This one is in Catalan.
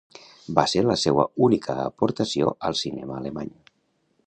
Va ser la seua única aportació al cinema alemany.